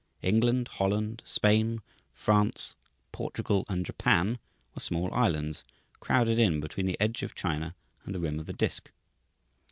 England, Holland, Spain, France, Portugal, and Japan were small islands crowded in between the edge of China and the rim of the disc.